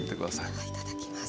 ではいただきます。